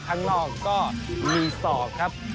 ข้างนอกก็มีศอกครับ